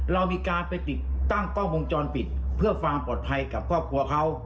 เรามีการไปติดตั้งกล้องวงจรปิดเพื่อความปลอดภัยกับครอบครัวเขา